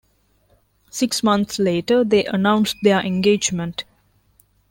Six months later, they announced their engagement.